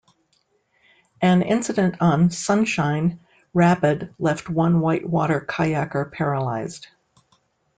An incident on "Sunshine" rapid left one whitewater kayaker paralyzed.